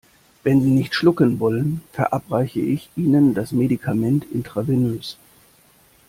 Wenn Sie nicht schlucken wollen, verabreiche ich Ihnen das Medikament intravenös.